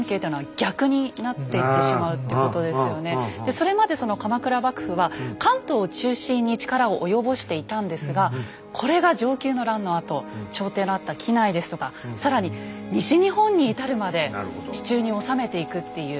それまで鎌倉幕府は関東を中心に力を及ぼしていたんですがこれが承久の乱のあと朝廷のあった畿内ですとか更に西日本に至るまで手中に収めていくっていう。